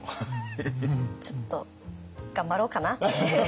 ちょっと頑張ろうかなって。